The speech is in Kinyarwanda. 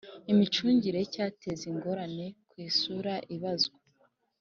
Imicungire y icyateza ingorane ku isura ibazwa